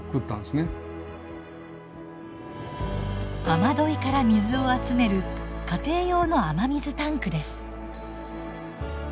雨どいから水を集める家庭用の雨水タンクです。